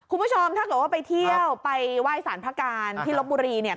คุณผู้ชมถ้าเกิดว่าไปเที่ยวไปไหว้สารพระการที่ลบบุรีเนี่ย